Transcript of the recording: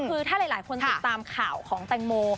คือถ้าหลายคนติดตามข่าวของแตงโม